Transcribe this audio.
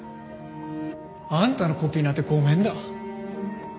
あんたのコピーなんてごめんだ。